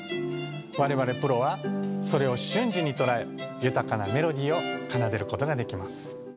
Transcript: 我々プロはそれを瞬時に捉え豊かなメロディーを奏でることができます